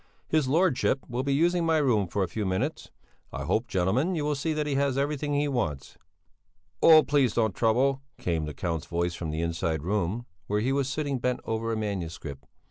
His Lordship will be using my room for a few minutes. I hope, gentlemen, you will see that he has everything he wants." "Oh, please don't trouble," came the Count's voice from inside the room, where he was sitting bent over a manuscript.